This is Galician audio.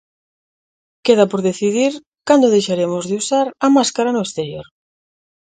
Queda por decidir cando deixaremos de usar a máscara no exterior.